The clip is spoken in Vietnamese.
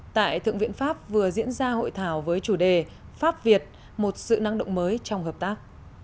tại thượng viện pháp vừa diễn ra hội thảo với chủ đề pháp việt một sự năng động mới trong hợp tác